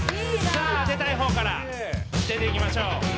さあ出たい方から出ていきましょう！